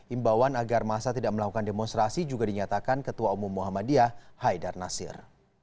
imbauan agar masa tidak melakukan demonstrasi juga dinyatakan ketua umum muhammadiyah haidar nasir